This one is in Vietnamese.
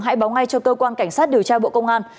hãy báo ngay cho cơ quan cảnh sát điều tra bộ công an